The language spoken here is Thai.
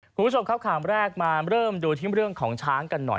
คุณผู้ชมครับข่าวแรกมาเริ่มดูที่เรื่องของช้างกันหน่อย